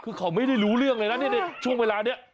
คือเขาไม่ได้รู้เรื่องเลยนะในช่วงเวลานี้